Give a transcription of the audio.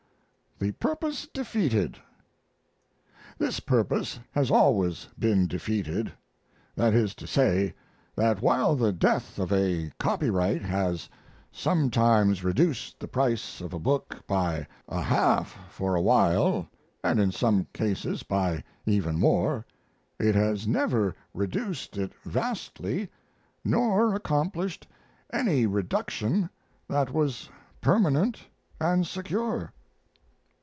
The Purpose Defeated: This purpose has always been defeated. That is to say, that while the death of a copyright has sometimes reduced the price of a book by a half for a while, and in some cases by even more, it has never reduced it vastly, nor accomplished any reduction that was permanent and secure.